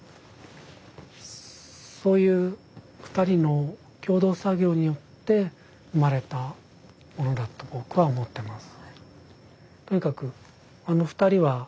そういう二人の共同作業によって生まれたものだと僕は思ってます。